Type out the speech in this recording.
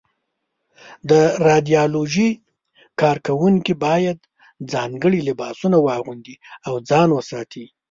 د رادیالوجۍ کارکوونکي باید ځانګړي لباسونه واغوندي او ځان وساتي.